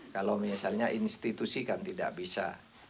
kalau misalnya institusi kan tidak bisa